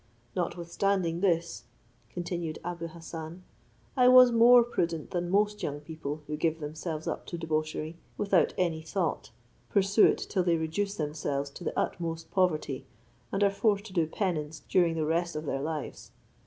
Notwithstanding this," continued Abou Hassan, "I was more prudent than most young people who give themselves up to debauchery, without any thought, pursue it till they reduce themselves to the utmost poverty, and are forced to do penance during the rest of their lives.